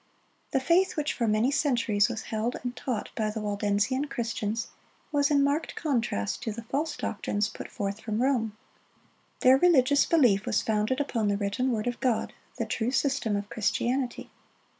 The faith which for many centuries was held and taught by the Waldensian Christians, was in marked contrast to the false doctrines put forth from Rome. Their religious belief was founded upon the written word of God, the true system of Christianity.